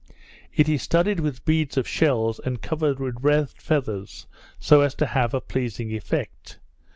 It is studded with beads of shells, and covered with red feathers, so as to have a pleasing effect.